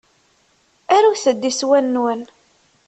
Arut-d iswan-nwen.